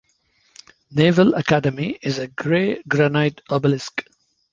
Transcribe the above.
Naval Academy is a grey granite obelisk.